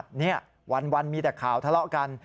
ผลเอกประยุทธ์บอกว่าวันมีแต่ข่าวทะเลาะกัน